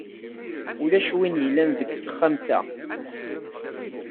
Ulac win yellan deg texxamt-a.